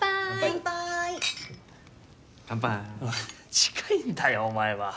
近いんだよお前は。